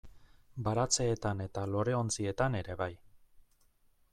Baratzeetan eta loreontzietan ere bai.